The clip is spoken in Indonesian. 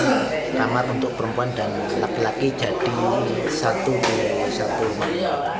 jadi akan kamar untuk perempuan dan laki laki jadi satu rumah